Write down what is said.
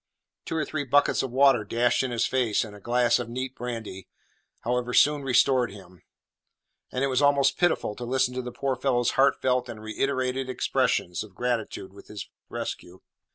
Two or three buckets of water dashed in his face, and a glass of neat brandy, however, soon restored him, and it was almost pitiful to listen to the poor fellow's heartfelt and reiterated expressions of gratitude for his rescue.